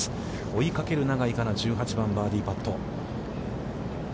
追いかける永井花奈、１８番、バーディーパット。